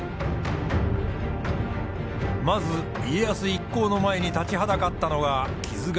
まず家康一行の前に立ちはだかったのが木津川。